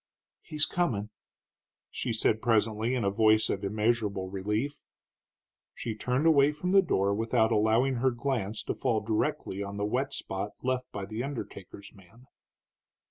"He's comin'," she said presently, in voice of immeasurable relief. She turned away from the door without allowing her glance to fall directly on the wet spot left by the undertaker's man.